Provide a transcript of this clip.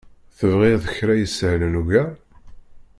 Tebɣiḍ kra isehlen ugar?